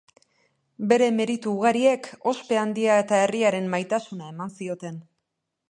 Bere meritu ugariek ospe handia eta herriaren maitasuna eman zioten.